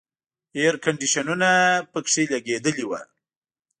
اییر کنډیشنونه پکې لګېدلي وو.